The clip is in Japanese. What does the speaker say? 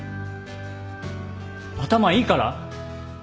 頭いいから？